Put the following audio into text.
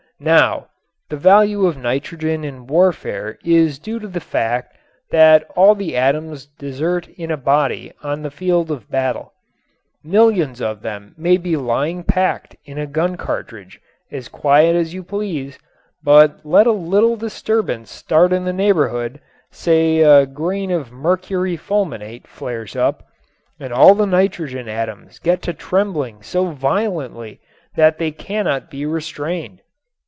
Now, the value of nitrogen in warfare is due to the fact that all the atoms desert in a body on the field of battle. Millions of them may be lying packed in a gun cartridge, as quiet as you please, but let a little disturbance start in the neighborhood say a grain of mercury fulminate flares up and all the nitrogen atoms get to trembling so violently that they cannot be restrained.